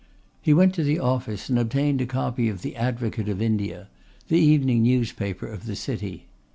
He went to the office and obtained a copy of The Advocate of India, the evening newspaper of the city.